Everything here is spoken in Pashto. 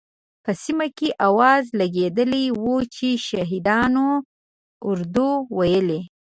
په سیمه کې اوازه لګېدلې وه چې شهادیانو اردو ویلې.